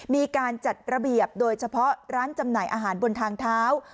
มีการจัดระเบียบโดยเฉพาะร้านจำหน่ายอาหารบนทางเท้า